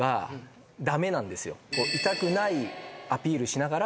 痛くないアピールしながら。